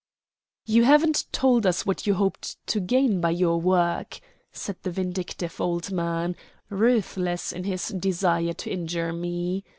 "You haven't told us what you hoped to gain by your work," said the vindictive old man, ruthless in his desire to injure me.